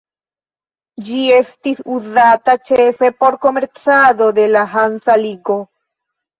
Ĝi estis uzata ĉefe por komercado de la Hansa ligo.